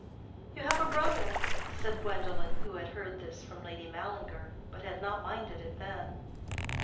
"You have a brother?" said Gwendolen, who had heard this from Lady Mallinger, but had not minded it then.